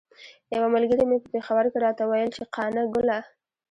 یوه ملګري مې په پیښور کې راته ویل چې قانه ګله.